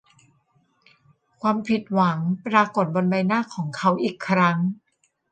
ความผิดหวังปรากฎบนใบหน้าของเขาอีกครั้ง